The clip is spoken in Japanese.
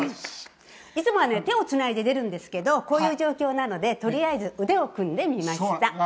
いつもは手をつないで出るんですけどこういう状況なのでとりあえず腕を組んでみました。